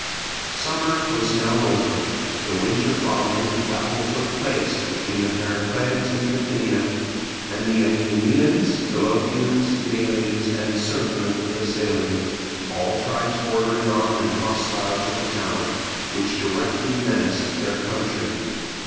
Summer was now over. The winter following a battle took place between the Heracleots in Trachinia and the Aenianians, Dolopians, Malians, and certain of the Thessalians, all tribes bordering on and hostile to the town, which directly menaced their country.